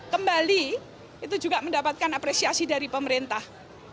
kembali itu juga mendapatkan apresiasi dari pemerintah